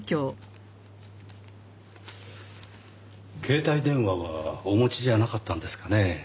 携帯電話はお持ちじゃなかったんですかね？